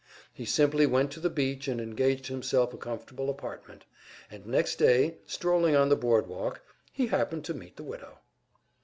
He simply went to the beach and engaged himself a comfortable apartment; and next day, strolling on the board walk, he happened to meet the widow.